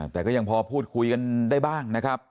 แต่ก็ยังพอพูดคุยกันได้บ้างนะครับ